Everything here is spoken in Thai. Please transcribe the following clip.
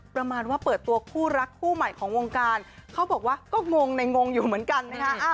ประมาณว่าเปิดตัวคู่รักคู่ใหม่ของวงการเขาบอกว่าก็งงในงงอยู่เหมือนกันนะคะ